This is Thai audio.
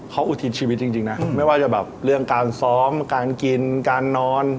เขาอุทิศชีวิตจริงนะไม่ว่าจะแบบเรื่องการซ้อมการกินการนอน